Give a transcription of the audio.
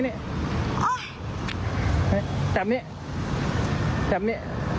ไม่รู้ต้องเจอ